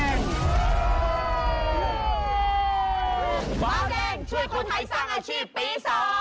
เบาแดงช่วยคนไทยสร้างอาชีพปี๒